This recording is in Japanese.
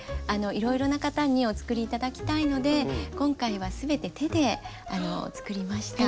いろいろな方にお作り頂きたいので今回は全て手で作りました。